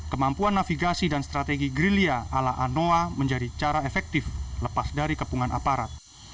kemampuan navigasi dan strategi gerilya ala anoa menjadi cara efektif lepas dari kepungan aparat